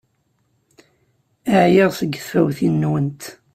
Ɛyiɣ seg tfawtin-nwent!